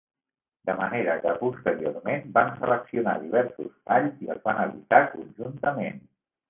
De manera que posteriorment van seleccionar diversos talls i els van editar conjuntament.